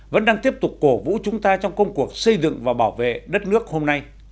vẫn đang tiếp tục cổ vũ chúng ta trong công cuộc xây dựng và bảo vệ đất nước hôm nay